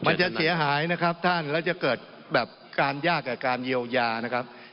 มันจะเสียหายนะครับท่านแล้วจะเกิดแบบการยากกับการเยียวยานะครับ